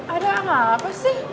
ada apa sih